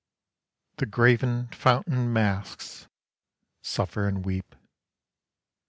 (' The graven fountain masks suffer and weep.